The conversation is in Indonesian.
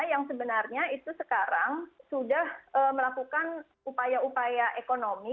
yang sebenarnya itu sekarang sudah melakukan upaya upaya ekonomi